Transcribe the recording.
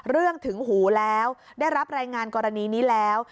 ถึงหูแล้วได้รับรายงานกรณีนี้แล้ว